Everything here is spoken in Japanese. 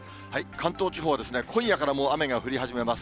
関東地方は、今夜からも雨が降り始めます。